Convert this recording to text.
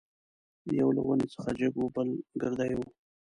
یو له ونې څخه جګ وو بل ګردی وو.